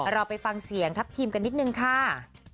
เราไปฟังเสียงทัพทีมกันนิดนึงค่ะ